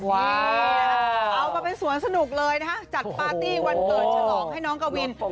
เอามาเป็นสวนสนุกเลยนะฮะจัดปาร์ตี้วันเกิดฉลองให้น้องกวิน